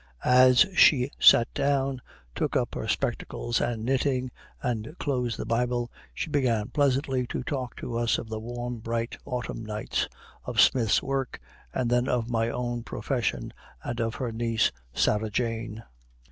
As she sat down, took up her spectacles and knitting, and closed the Bible, she began pleasantly to talk to us of the warm, bright autumn nights, of Smith's work, and then of my own profession, and of her niece, Sarah Jane.